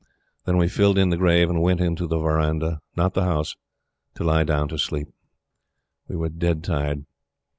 Then we filled in the grave and went into the verandah not the house to lie down to sleep. We were dead tired.